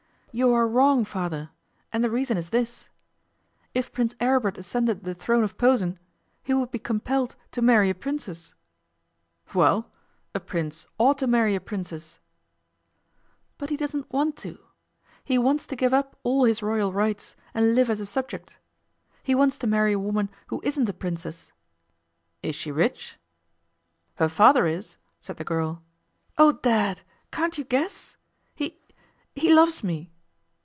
'You are wrong, Father. And the reason is this: If Prince Aribert ascended the throne of Posen he would be compelled to marry a Princess.' 'Well! A Prince ought to marry a Princess.' 'But he doesn't want to. He wants to give up all his royal rights, and live as a subject. He wants to marry a woman who isn't a Princess.' 'Is she rich?' 'Her father is,' said the girl. 'Oh, Dad! can't you guess? He he loves me.